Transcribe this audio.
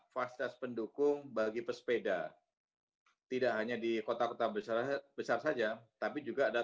fasilitas pendukung bagi pesepeda tidak hanya di kota kota besar besar saja tapi juga ada